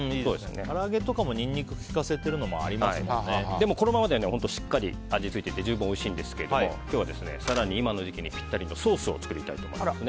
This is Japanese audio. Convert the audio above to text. から揚げとかもニンニク利かせてるのもでもこのままでしっかり味がついてて十分、おいしいんですけれども今日は更に今の時期にぴったりのソースを作りたいと思います。